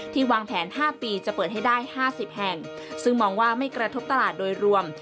วางแผน๕ปีจะเปิดให้ได้๕๐แห่งซึ่งมองว่าไม่กระทบตลาดโดยรวม